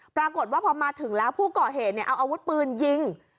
ปรากฏว่าพอมาถึงแล้วผู้ก่อเหตุเอาอาวุธปืนยิง